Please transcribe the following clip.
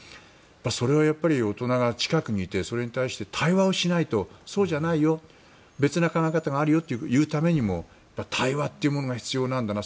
それは、やっぱり大人が近くにいて、それに対して対話をしないとそうじゃないよ別の考え方があるよと言うためにも対話というものが必要なんだな。